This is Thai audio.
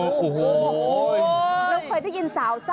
แล้วเคยได้ยินสาว